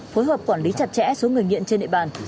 phối hợp quản lý chặt chẽ số người nghiện trên địa bàn